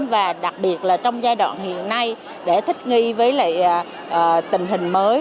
và đặc biệt là trong giai đoạn hiện nay để thích nghi với lại tình hình mới